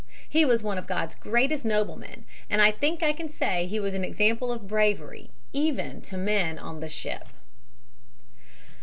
He was one of God's greatest noblemen, and I think I can say he was an example of bravery even to men on the ship."